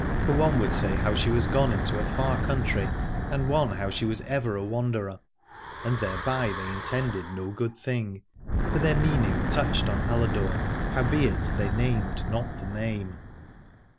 For one would say how she was 137 Aladore gone into a far country, and one how she was ever a wanderer : and thereby they intended no good thing, for their meaning touched on Aladore, howbeit they named not the name.